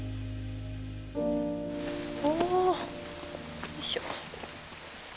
およいしょ。